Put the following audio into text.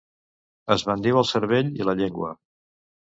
Esbandiu el cervell i la llengua